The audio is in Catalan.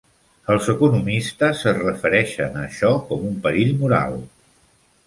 Els economistes es refereixen a això com un perill moral.